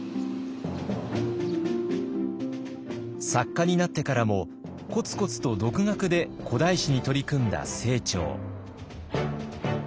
作家になってからもコツコツと独学で古代史に取り組んだ清張。